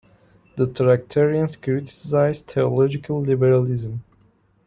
The Tractarians criticised theological liberalism.